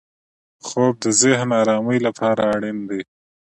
خوب د ذهن ارامۍ لپاره اړین دی